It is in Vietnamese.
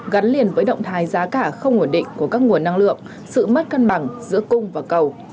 gắn liền với động thái giá cả không ổn định của các nguồn năng lượng sự mất cân bằng giữa cung và cầu